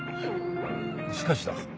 しかしだ